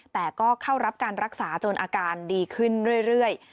แต่ก็เข้ารับการรักษาจนอาการดีขึ้นเรื่อย